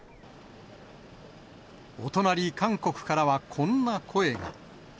お隣、韓国からはこんな声が。